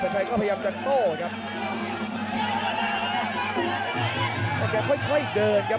กระโดยสิ้งเล็กนี่ออกกันขาสันเหมือนกันครับ